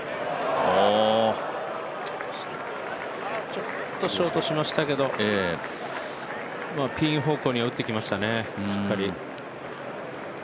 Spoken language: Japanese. ちょっとショートしましたけどピン方向には打ってきましたね、しっかり。